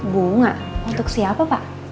bunga untuk siapa pak